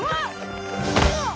うわっ！